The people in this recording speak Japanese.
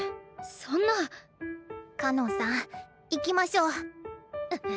そんな！かのんさん行きましょう。